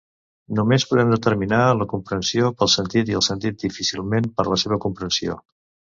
Només podem determinar la comprensió pel sentit i el sentit difícilment per la comprensió.